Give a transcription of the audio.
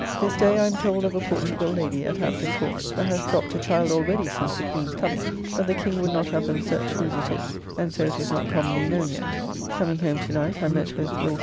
This day I am told of a Portugall lady, at Hampton Court, that hath dropped a child already since the Queen's coming, but the king would not have them searched whose it is; and so it is not commonly known yet. Coming home to night, I met with Will.